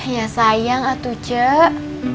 ya sayang atuh cek